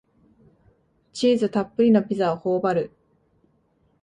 チーズたっぷりのピザをほおばる